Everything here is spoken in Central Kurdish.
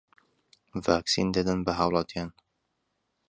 ڤاکسین دەدەن بە هاووڵاتیان